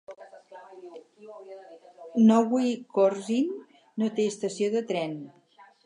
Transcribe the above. Nowy Korczyn no té estació de tren.